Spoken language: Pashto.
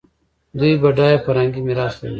دوی بډایه فرهنګي میراث لري.